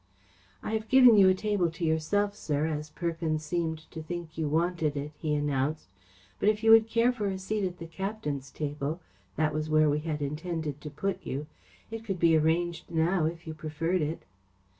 "I have given you a table to yourself, sir, as Perkins seemed to think you wanted it," he announced, "but if you would care for a seat at the captain's table that was where we had intended to put you it could be arranged now, if you preferred it."